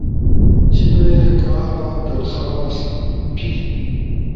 جیِبے کارا درخواست، پی